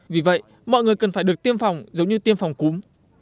vì vậy mọi người cần phải được tiêm phòng giống như tiêm phòng cúm